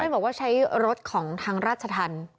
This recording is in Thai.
บอกว่าใช้รถของทางราชธรรม